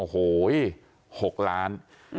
โห้๖ล้าน